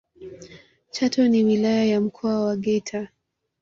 chato ni wilaya ya mkoa wa geita